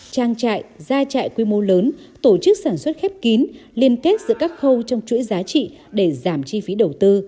trang trại gia trại quy mô lớn tổ chức sản xuất khép kín liên kết giữa các khâu trong chuỗi giá trị để giảm chi phí đầu tư